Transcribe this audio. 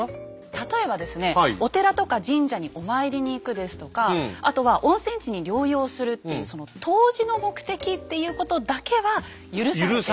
例えばですねお寺とか神社にお参りに行くですとかあとは温泉地に療養するっていうその湯治の目的っていうことだけは許されていた。